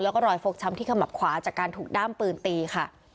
แล้วก็รอยฟกช้ำที่ขมับขวาจากการถูกด้ามปืนตีค่ะ